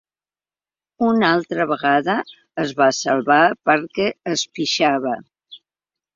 Una altra vegada es va salvar perquè es pixava.